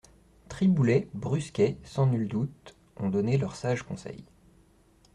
Triboulet, Brusquet, sans nul doute, ont donné leurs sages conseils.